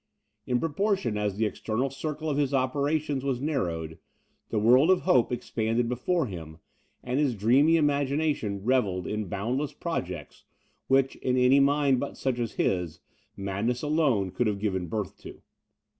In proportion as the external circle of his operations was narrowed, the world of hope expanded before him, and his dreamy imagination revelled in boundless projects, which, in any mind but such as his, madness alone could have given birth to.